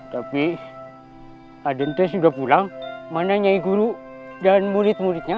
tapi adente sudah pulang mana nyai guru dan murid muridnya